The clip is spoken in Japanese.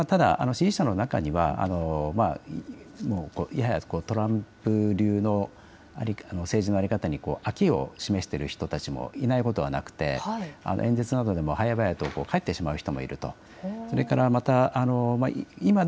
ただ支持者の中ではややトランプ流の政治の在り方に飽きを示している人もいないことはなくて、演説などでもはやばやと帰ってしまう人もいる。